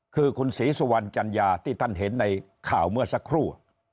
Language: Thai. คือคุณศรีสุวรรณจัญญาที่ท่านเห็นในข่าวเมื่อสักครู่